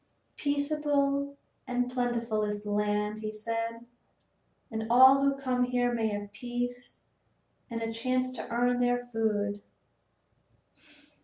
"Peaceable and plentiful is the land," he said, "and all who come here may have peace and a chance to earn their food.